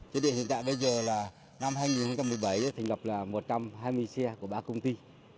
chứ đến hiện tại bây giờ là năm hai nghìn một mươi bảy thành lập là một trăm hai mươi xe của ba công ty